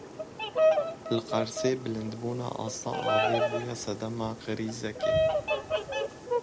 Li Qersê bilindbûna asta avê bûye sedema krîzekê.